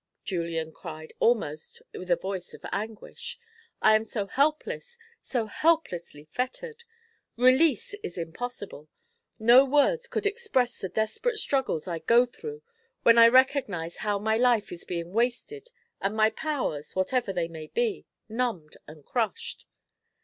Julian cried, almost with a voice of anguish. "I am so helpless, so hopelessly fettered! Release is impossible. No words could express the desperate struggles I go through when I recognise how my life is being wasted and my powers, whatever they may be, numbed and crushed.